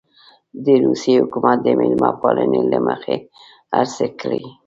د روسیې حکومت د مېلمه پالنې له مخې هرکلی کړی.